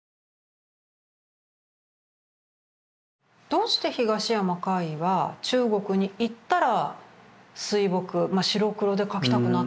どうして東山魁夷は中国に行ったら水墨白黒で描きたくなったんでしょうね？